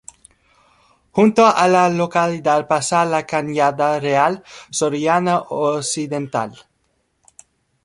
Junto a la localidad pasa la Cañada Real Soriana Occidental.